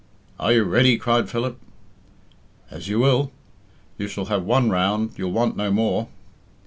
"Are you ready?" cried Philip. "As you will. You shall have one round, you'll want no more."